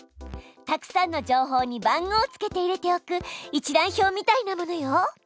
たくさんの情報に番号をつけて入れておく一覧表みたいなものよ。